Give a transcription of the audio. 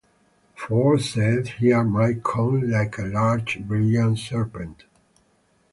Ford said he admired Cohn like a large, brilliant serpent.